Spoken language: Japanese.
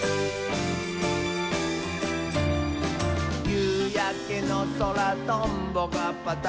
「ゆうやけのそらトンボがパタパタ」